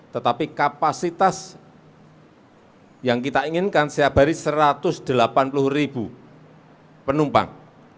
tetapi kapasitas yang kita inginkan setiap hari satu ratus delapan puluh ribu penumpang